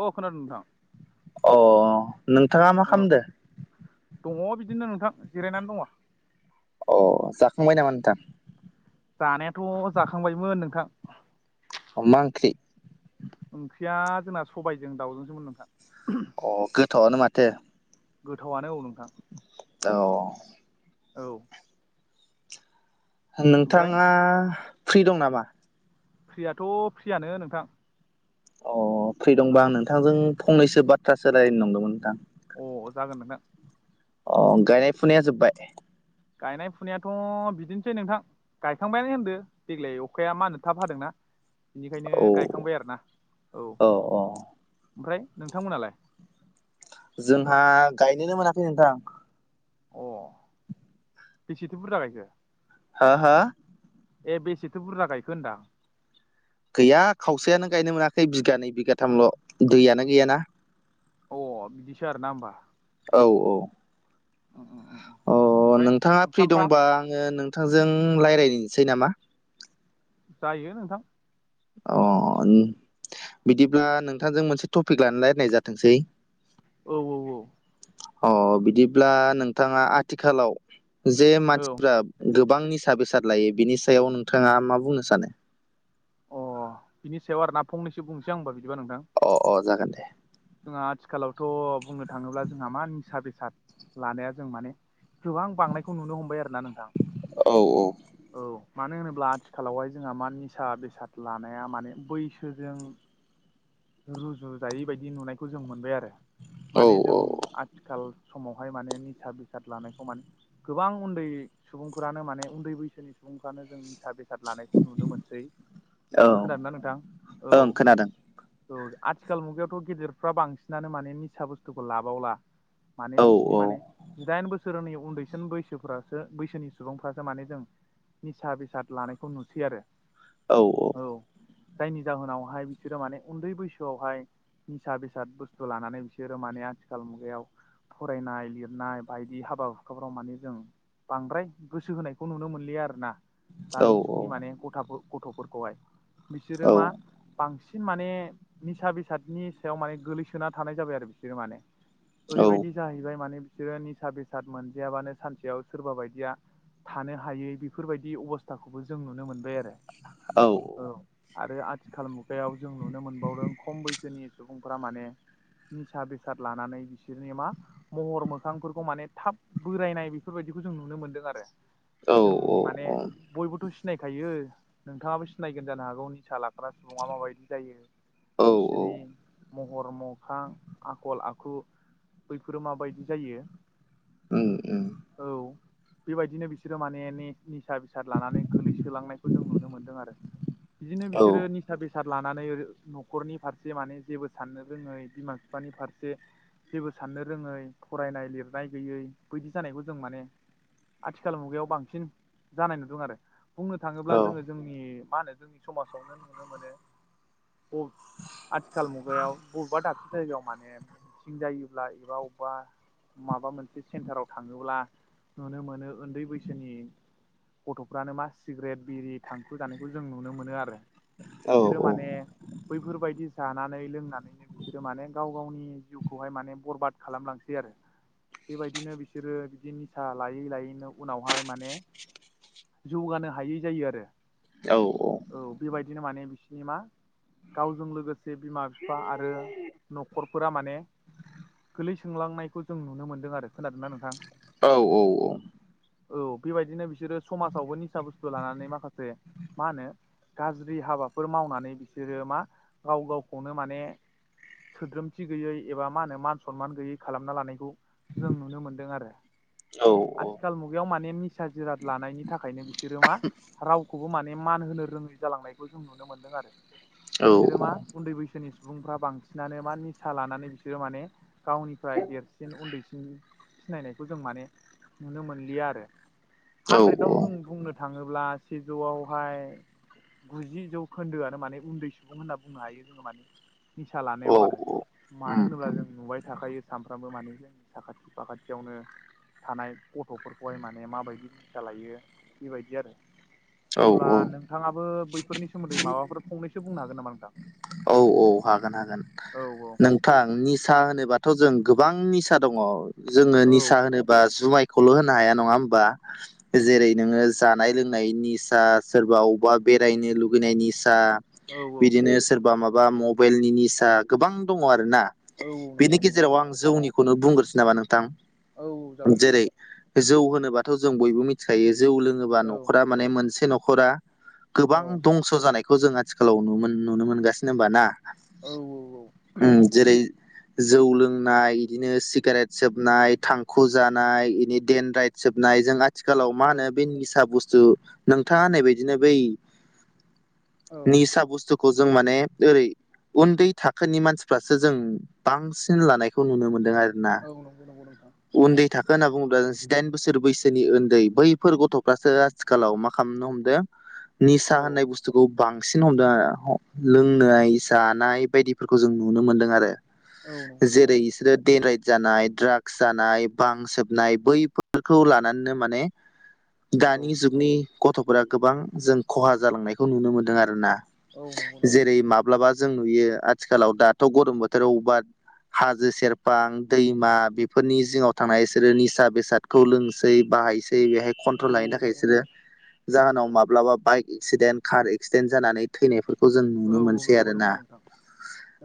औ खोनादों नोंथां अ नोंथाङा मा औ। खालामदो दङ बिदिनो नोंथां जिरायनानै दङ। अ जाखांबाय नामा नोंथां? जानायाथ' जाखांबायमोन नोंथां। मा ओंख्रि? ओंख्रिया जोंना सबायजों दाउजोंसोमोन नोंथां। अ गोथावआनो माथो। गोथावआनो औ नोंथां। औ औ ओमफ्राय नोंथाङा फ्रि दं नामा? फ्रियाथ' फ्रियानो नोंथां। अ फ्रि औ दंबा आं नोंथांजों फंनैसो बाथ्रा सोलायनो नंदोंमोन नोंथां। अ जागोन नोंथां। अ गायनाय फुनाया जोबबाय? गायनाय फुनायाथ' बिदिनोसै नोंथां गायखांबायानो होनदो देग्लाय अखाया मा होनो थाब हादोंना। बिनिखायनो औ गायखांबाय आरोना औ ओमफ्राय नोंथांमोनालाय? जोंहा गायनोनो मोनाखै नोंथां। अ बेसेथो बुरजा गायखो? हो हो? ए बेसेथो बुरजा गायखो होनदां। गैया खावसेयानो गायनो मोनाखै बिगानै बिगाथामल' दैयानो गैयाना। अ बिदिसो आरो ना होनबा। औ औ अ अ अ अ नोंथाङा फ्रि दंबा आङो नोंथांजों रायज्लायनोसै नामा? जायो नोंथां। अ बिदिब्ला नोंथांजों मोनसे टपिक लानानै रायलायनाय जाथोंसै औ औ औ अ बिदिब्ला नोंथाङा आथिखालाव जे औ मानसिफ्रा गोबां निसा बेसाद लायो बिनि सायाव नोंथाङा मा बुंनो सानो? अ बिनि सायाव आर ना फंनैसो बुंस आंब बिबा नोंथां। अ अ जागोन दे जोंहा आथिखालावथ' बुंनो थाङोब्ला जोंहा मा निसा बेसाद लानाया जों माने गोबां बांनायखौ नुनो हमबाय आरोना नोंथां। औ मानो होनोब्ला आथिखालावहाय जोंहा मा निसा बेसाद लानाया माने बैसोजों रुजुजायै बायदि नुनायखौ जों मोनबाय आरो औ माने जों आथिखाल समावहाय माने निसा बेसाद लानायखौ माने गोबां उन्दै सुबुंफ्रानो माने उन्दै बैसोनि सुबुंफ्रानो जों निसा बेसाद लानायखौ नुनो मोनसै औ खोनादों ना नोंथां औ। ओं खोनादों औ आथिखाल मुगायावथ' गेदेरफ्रा बांसिनानो माने निसा बुस्थुखौ लाबावला माने औ बिसिनि माने जिदाइन बोसोरनि उन्दैसिन बैसोफ्रासो बैसोनि सुबुंफ्रासो माने जों निसा बेसाद लानायखौ नुसै आरो। औ औ। औ जायनि जाहोनावहाय बिसोरो माने उन्दै बैसोआवहाय निसा बेसाद बुस्थु लानानै बिसोरो माने आथिखाल मुगायाव फरायनाय लिरनाय बायदि हाबा हुखाफ्राव माने जों बांद्राय गोसो होनायखौ नुनो मोनलिया आरो ना औ दानि जुगनि माने गथ गथ'फोरखौहाय औ बिसोरो मा बांसिन माने माने निसा बेसादनि सायाव माने गोलैसोना थानाय जाबाय आरो बिसोरो माने ओरैबायदि जाहैबाय माने बिसोरो निसा बेसाद मोनजायाबानो सानसेयाव सोरबा बायदिया थानो हायै बेफोरबायदि अबस्थाखौबो जों नुनो मोनबाय आरो औ औ आरो आथिखाल मुगायाव जों नुनो मोनबावदों खम बैसोनि सुबुंफोरा माने निसा बेसाद लानानै बिसोरनि मा महर मोखांफोरखौ माने थाब बोरायनाय बेफोरबायदिखौ जों नुनो मोन्दों आरो औ जों माने बयबोथ' सिनायखायो नोंथाङाबो सिनायगोन जानो हागौ निसा लाग्रा सुबुङा माबायदि जायो। औ बिसिनि महर मोखां आखल आखु बैफोरो माबायदि जायो। औ औ बेबायदिनो बिसोरो माने निसा बेसाद लानानै गोलैसोलांनायखौ जों नुनो मोन्दों आरो बिदिनो औ बिसोरो निसा बेसाद लानानै न'खरनि फारसे माने जेबो साननो रोङै बिमा बिफानि फारसे जेबो साननो रोङै फरायनाय लिरनाय गैयै बायदि जानायखौ जों माने आथिखाल मुगायाव बांसिन जानाय नुदों आरो। बुंनो थाङोब्ला औ जोङो जोंनि मा होनो जोंनि समाजावनो नुनो मोनो। आथिखाल मुगायाव बबेबा दाबसे जायगायाव माने सिं जायोब्ला एबा अबेबा माबा मोनसे सेन्टाराव थाङोब्ला नुनो मोनो उन्दै बैसोनि गथ'फ्रानो मा सिगारेट बिरि थांखु जानायखौ जों नुनो मोनो आरो औ बिसोरो माने बैफोरबायदि जानानै लोंनानैनो बिसोरो माने गाव गावनि जिउखौहाय माने बरबाद खालामलांसै आरो बेबायदिनो बिसोरो बिदि निसा लायै लायैनो उनावहाय माने जौगानो हायै जायो आरो। औ औ औ बेबायदिनो माने बिसिनि मा गावजों लोगोसे जे बिमा बिफा आरो न'खर फोरा माने गोलै सोंलांनायखौ जों नुनो मोनदों आरो खोनादों नना नोंथां औ औ औ औ बेबायदिनो बिसोरो समाजावबो निसा बुस्थु लानानै माखासे मा होनो गाज्रि हाबाफोर मावनानै बिसोरो मा गाव गावखौनो माने सोद्रोमथि गैयै एबा मा होनो मान सनमान गैयै खालामना लानायखौ जों नुनो मोनदों आरो औ औ आथिखाल मुगायाव माने निसा जिराद लानायनि थाखायनो बिसोरो मा राव खौबो माने मान होनो रोङै जालांनायखौ जों नुनो मोनदों आरो औ बिसोरो मा उन्दै बैसोनि सुबुंफ्रा बांसिनानो मा निसा लानानै बिसोरो माने गावनिफ्राय देरसिन उन्दैसिन सिनायनायखौ जों माने नुनो मोनलिया आरो हानद्रेदआव जों बुंनो थाङोब्ला सिजौआवहाय गुजि जौ खोन्दोआनो माने उन्दै सुबुं होनना बुंनो हायो जोङो माने निसा औ लानायाव आरो उम मानो उम होनोब्ला जों नुबाय थाखायो सानफ्रामबो माने जोंनि साखाथि फाखाथियावनो थानाय गथ'फोरखौहाय माने माबायदि निसा लायो बेबायदि आरो औ अब्ला नोंथाङाबो बै फोरनि सोमोन्दै माबाफोर फंनैसो बुंनो हागोन नामा नोंथां? औ औ औ थां निसा होनोबाथ' जों गोबां निसा दङ जोङो औ निसा होनोबा जुमाय ल' होनो हाया नङा होनबा जेरै नोङो जानाय लोंनायनि सोरबा अबबा बेरायनो लुगैनायनि निसा औ बिदिनो सोरबा माबा मबाइलनि निसा गोबां दङ आरोना। औ औ नंगौ बेनि नंगौ गेजेराव नोंथां आं जौनिखौनो बुंग्रोसो नामा नोंथां! औ औ जागोन नोंथां जेरै- जौ होनोबाथ' जों बयबो मिथिखायो जौ लोङोबा औ न'खरा माने मोनसे न'खरा औ गोबां दंस' जानायखौ जों आथिखालाव नुनो मोनगासिनो होनोमबा ना औ उम जेरै जौ लोंनाय बिदिनो सिगारेट सोबनाय थांखु जानाय बिदि देनद्राय सोबनायजों आथिखालाव औ मा होनो बे निसा बुस्थु नोंथाङा होननाय बदिनो बै औ निसा बुस्तुखौ जों माने ओरै उन्दै थाखोनि मानसिफ्रासो जों बांसिन लानायखौ नुनो मोनदों आरो औ नंगौ नंगौ नोंथां उन्दै थाखो होनना बुङोब्ला जिदाइन बोसोर बैसोनि उन्दै बैफोर गथ'फ्रासो आथिखालाव मा खालामनो हमदों निसा औ होननाय बुस्थुखौ बांसिन हमदों लोंनाय जानाय बायदिफोरखौ जों नुनो मोनदों आरो औ नंगौ नंगौ जेरै- बिसोरो देनद्राइद जानाय द्रागस जानाय बां सोबनाय बैफोरखौ लानानैनो माने औ दानि जुगनि गथ'फोरा गोबां जों खहा जालांनायखौ नुनो मोनदों आरो ना औ नंगौ नंगौ जेरै-माब्लाबा जों नुयो आथिखालाव दाथ' गरम बोथोराव अबेबा हाजो सेरफां दैमा बेफोरनि जिङाव थांनाय बिसोरो निसा बेसाद खौ लोंसै बाहायसै बेहाय औ कन्ट्रल औ लायनो थाखाय नंगौ बिसोरो नंगौ जाहोनाव माब्लाबा बाइक एक्सिडेन्ट कार एक्सिडेन्ट जानानै थैनायफोरखौ जों औ नुनो मोनसै नंगौ आरोना नंगौ नोंथां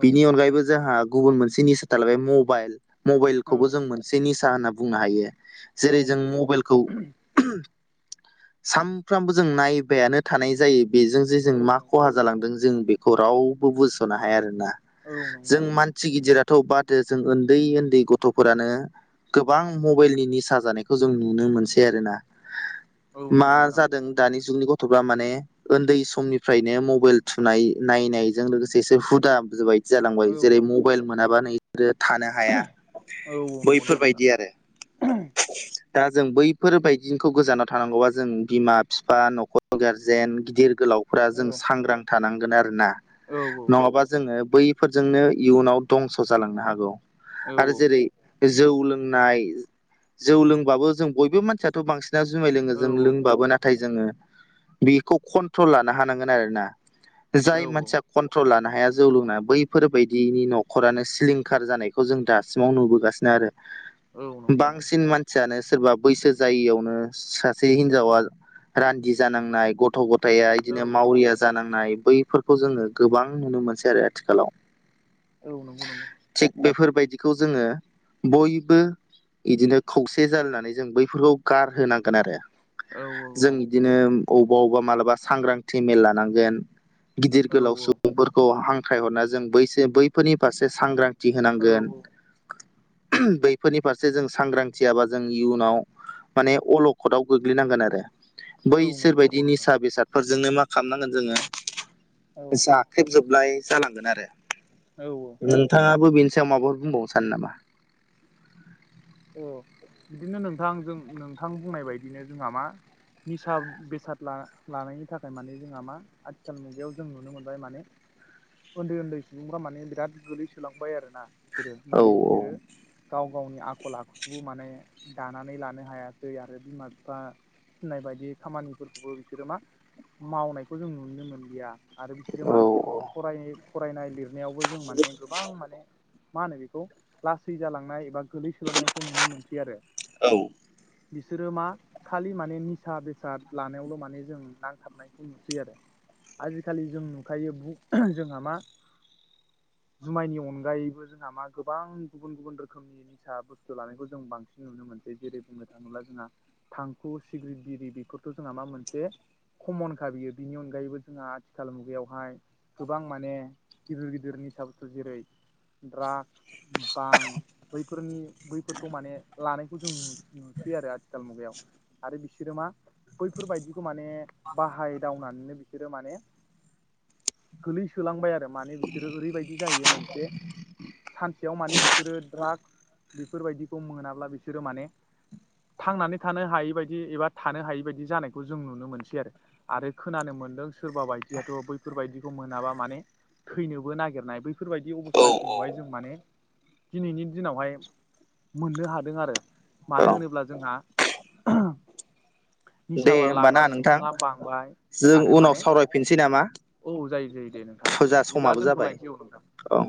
औ बिनि अनगायैबो जोंहा गुबुन मोनसे निसा थालायबाय मबाइल औ मबाइलखौबो जों मोनसे निसा होनना बुंनो हायो औ जेरै- जों नंगौ नंगौ मबाइलखौ साम फ्रामबो जों नायबायानो थानाय जायो बेजों जे जों औ मा नंगौ खहा जालांदों जों बेखौ रावबो बुजिस'नो हाया आरोना। औ नंगौ जों नंगौ मान सि गिदिराथ' बादहो जों उन्दै उन्दै गथ'फोरानो गोबां मबाइलनि निसा जानायखौ जों नुनो मोनसै आरोना औ मा नंगौ नोंथां जादों जों दानि जुगनि गथ'फ्रा माने उन्दै समनिफ्रायनो मबाइल थुनाय नायनायजों लोगोसे एसे हुदा बाय जालांबाय औ जेरै मबाइल मोनाबा नोंसोरो थानो हाया औ नंगौ नंगौ नोंथां बैफोरबायदि आरो दा जों बैफोरबायदिखौ गोजानाव थानांगौबा जों बिमा बि बिफा नखर गारजेन गिदिर गोलावफ औ जों सांग्रां थानांगोन आरो ना। औ नङाबा जोङो बैफोरजोंनो इयुनाव दंस' जालांनो हागौ। औ आरो औ जेरै जौ लोंनाय जौ लोंबाबो जों बयबो मानसियाथ' बांसिन जुमाय लोङ औ जों नंगौ लोंबाबोना नाथाय जोङो बेखौ कन्ट्रल लानो हांगोन आरोना। जाय नंगौ मानसिया औ कन्ट्रल लानो हाया जौ लोंना बैफोरबायायदिनि न'खरानो सिलिंखार जानायखौ जों दासिमाव नुबोगासिनो आरो औ औ नंगौ नंगौ बांसिन मानसियानो सोरबा बैसो जायियावनो सासे हिनजावा रान्दि जानांनाय गथ' गथाया औ बिदिनो मावरिया जानांनाय बैफोरखौ जोङो गोबां नुनो मोनसै आरो आथिखालाव औ नंगौ नंगौ। थिग बेफोरबायदिखौ जोङो बयबो बिदिनो खौसे जालायनानै जों बैफोरखौ गारहोनांगोन आरो जों बिदिनो अबा अबेबा मालाबा सांग्रांथि मेल लानांगोन गिदिर गोलाव सुबुंफोरखौ हांख्रायहरना जों बैसो बैफोरनि फारसे सांग्रां थि होनांगोन औ बैफोरनि फारसे जों सांग्रांथियाबा जों इयुनाव माने अलखदाव गोग्लैनांगोन आरो औ बैसोर नंगौ बायदि नोंथां निसा बेसादफोरजोंनो मा खालामनांगोन औ जोङो जा ख्रेबजोबलाय जालांगोन आरो औ औ। नोंथाङाबो बेनि सायाव माबाफोर बुंबावनो सानो नामा? अ बिदिनो नोंथां जों नोंथां बुंनाय बायदिनो जोंहा मा निसा बेसाद ला लानायनि थाखाय माने जोंहा मा आथिखाल मुगायाव जों नुनो मोनबाय माने उन्दै उन्दै सुबुंफ्रा माने बिराद गोगलैसोलांबाय आरो ना। बिसोरो औ माने बिसोरो गाव गावनि आख खलाखौबो माने दानानै लानो हायासै आरो बिमा बिफा थिनाय बायदि खामानिफोरखौबो बिसोरो मा मावनायखौ जों नुनो मोनलिया। आरो बिसोरो मा औ फराय फरायनाय लिरनायावबो जों माने गोबां माने मा होनो बेखौ लासै जालांनाय एबा गोलै सोलोंनायखौ नुनो मोनसै आरो औ बिसोरो मा खालि माने निसा बेसाद लानायावल' माने जों नांथाबनायखौ नुसै आरो। आजिखालि जों नुखायो जोंहा मा जुमायनि अनगायैबो जोंहा मा गोबां गुबुन गुबुन रोखोमनि सा बुस्थु लानायखौ जों बांसिन नुनो मोनसै जेरै बुंनो थाङोब्ला जोंहा थांखु सिग्रिट बिरि बेफोरथ' जोंहा मा मोनसे खमनखा बियो बिनि अनगायैबो जोंहा आथिखाल मुगायावहाय गोबां माने गिदिर गिदिर निसा बुस्थु जेरै ड्राग बां फोरनि बैफोरखौ माने लानायखौ जों नुसै आरो आथिखाल मुगायाव। आरो बिसोरो मा बैफोरबायदिखौ माने बाहायदावनानैनो बिसोरो माने गोलैसोलांबाय आरो माने बिसोरो ओरैबायदि जाहैयो मोनसे सानसेयाव माने बिसोरो द्राग्स बेफोरबायदिखौ मोनाब्ला बिसोरो माने थांनानै थानो हायै बायदि एबा थानो हायै बायदि जानायखौ जों नुनो मोनसै आरो। आरो खोनानो मोनदों सोरबा बायदियाथ' बैफोरबायदिखौ मोनाबा माने थैनोबो नागिरनाय बैफोरबायदि औ अबस्थासिमखौहाय जों माने दिनैनि दिनावहाय मोननो हादों आरो मानो औ होनोब्ला जोंहा दे निसाबा लाग्रा होमबाना नोंथां सुबुङा बांबाय जों आरो उनाव माने सावरायफिनसै नामा औ जायो जायो दे नोंथां फुजा बिदिब्ला समाबो जाबाय दोनथ'लायनोसै औ नोंथां। औ।